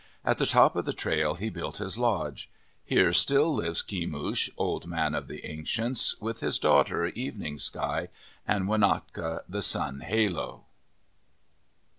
At the top of the trail he built his lodge. Here still lives Kemush, Old Man of the Ancients, with his daughter Evening Sky, and Wanaka, the sun halo.